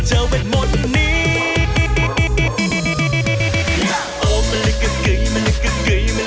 ช่วยด้วย